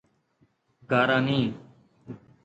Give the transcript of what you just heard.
گاراني